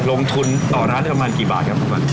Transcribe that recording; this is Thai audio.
ลงทุนต่อร้านได้ประมาณกี่บาทครับคุณวัน